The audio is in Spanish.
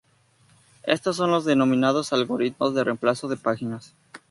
Estos son los denominados algoritmos de reemplazo de páginas.